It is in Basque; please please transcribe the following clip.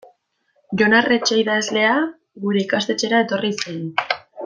Jon Arretxe idazlea gure ikastetxera etorri zen.